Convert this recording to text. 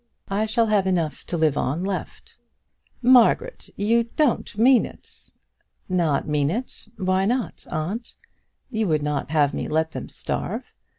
I shall have enough to live on left." "Margaret, you don't mean it?" "Not mean it? why not, aunt? You would not have me let them starve.